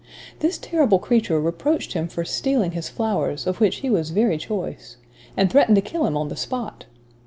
This terrible creature reproached him for stealing his flowers, of which he was very choice; and threatened to kill him on the spot!